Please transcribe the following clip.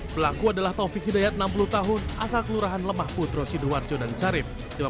pelaku adalah taufik hidayat enam puluh tahun asal kelurahan lemah putro sidoarjo dan sarip